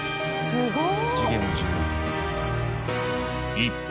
すごい！